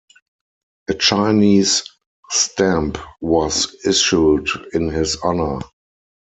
A Chinese stamp was issued in his honour.